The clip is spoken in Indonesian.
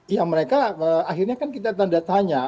ya mereka akhirnya kan kita tanda tanya